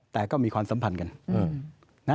แต่ก็มีความสัมพันธ์กัน